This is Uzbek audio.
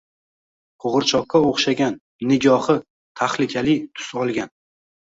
Qo‘g‘irchoqqa o‘xshagan, nigohi tahlikali tus olgan